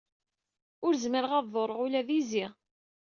Ur zmireɣ ad ḍurreɣ ula d izi.